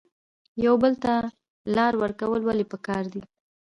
یو بل ته لار ورکول ولې پکار دي؟